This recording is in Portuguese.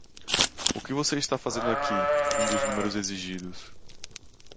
"O que você está fazendo aqui?" um dos números exigidos.